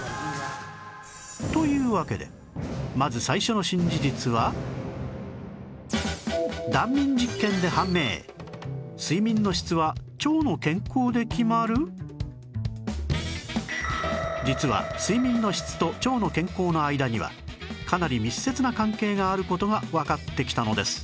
というわけでまず実は睡眠の質と腸の健康の間にはかなり密接な関係がある事がわかってきたのです